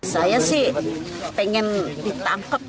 saya sih pengen ditangkap